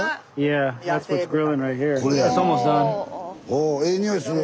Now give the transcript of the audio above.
おええ匂いする。